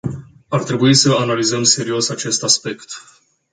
Ar trebui să analizăm serios acest aspect.